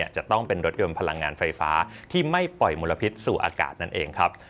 จะต้องเป็นรถยนต์พลังงานไฟฟ้าที่ไม่ปล่อยมลพิษสู่อากาศนั่นเองครับ